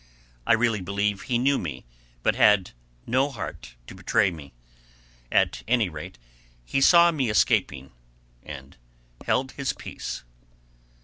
I really believe he knew me, but had no heart to betray me. At any rate, he saw me escaping and held his peace.